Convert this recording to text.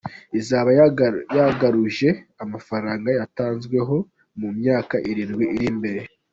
Izaba yagaruje amafaranga yayitanzweho mu myaka irindwi iri imbere.